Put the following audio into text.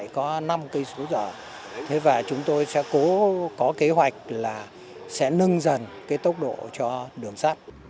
có kế hoạch là sẽ nâng dần tốc độ cho đường sắt